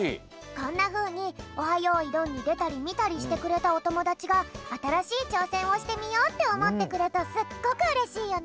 こんなふうに「オハ！よいどん」にでたりみたりしてくれたおともだちがあたらしいちょうせんをしてみようっておもってくれるとすっごくうれしいよね！